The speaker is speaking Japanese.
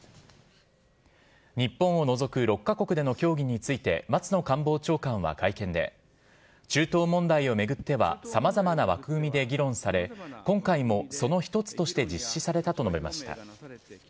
日本を除く６か国での協議について松野官房長官は会見で、中東問題を巡ってはさまざまな枠組みで議論され、今回もその一つとして実施されたと述べました。